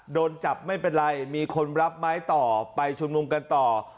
โดนจับไม่เป็นไรมีคนรับไม้ต่อไปชุมนุมกันต่อ